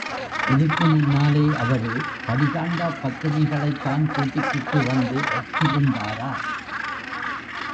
இதுக்கு முன்னாலே அவரு படிதாண்டாப் பத்தினிகளைத் தான் கூட்டிக்கிட்டு வந்து வச்சிருந்தாரா?